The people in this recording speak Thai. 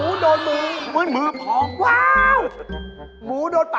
ปุกไม่ได้ปุกสิ